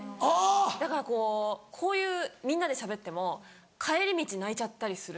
だからこうこういうみんなでしゃべっても帰り道泣いちゃったりする。